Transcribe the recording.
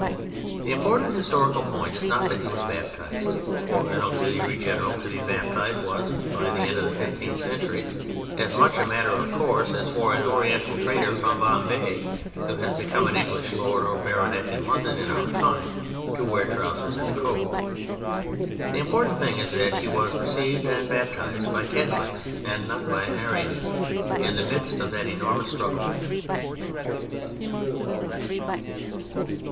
The important historical point is not that he was baptized; for an auxiliary general to be baptized was, by the end of the fifth century, as much a matter of course as for an Oriental trader from Bombay, who has become an English Lord or Baronet in London in our time, to wear trousers and a coat. The important thing is that he was received and baptized by Catholics and not by Arians—in the midst of that enormous struggle.